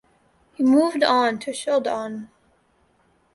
He moved on to Shildon.